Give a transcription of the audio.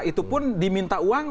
itu pun diminta uang